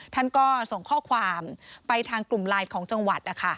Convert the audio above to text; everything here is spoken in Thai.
ท่านก็ส่งข้อความไปทางกลุ่มไลน์ของจังหวัด